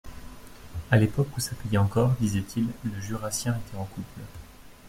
à l’époque où ça payait encore disait-il, le Jurassien était en couple